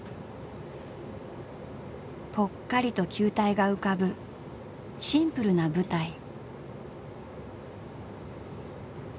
ぽっかりと球体が浮かぶシンプルな舞台。